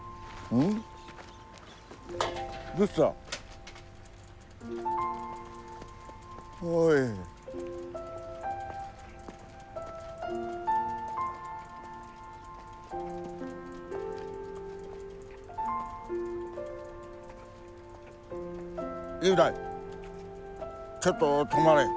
雄大ちょっと止まれ。